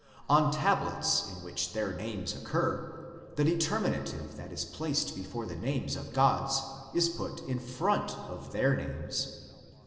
On tablets in which their names occur the determinative that is placed before the names of gods is put in front of their names.